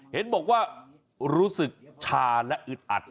เห็นบอกว่ารู้สึกชาและอึดอัด